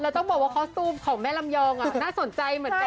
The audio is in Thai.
ต้องบอกว่าคอสตูมของแม่ลำยองน่าสนใจเหมือนกัน